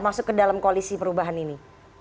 masuk ke dalam koalisi perubahan ini